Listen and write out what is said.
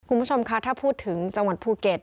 คุณผู้ชมคะถ้าพูดถึงจังหวัดภูเก็ต